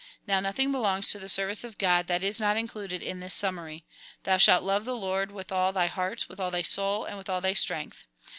Now nothing belongs to the service of God that is not included in this summary : Thou shall love the Lord with all thy heart, with all thy soul, with all thy strength.